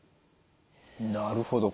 なるほど。